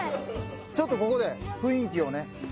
ちょっとここで雰囲気をね